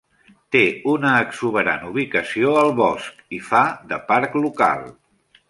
Té una exuberant ubicació al bosc, i fa de parc local.